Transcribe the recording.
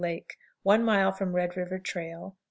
Lake. One mile from Red River trail.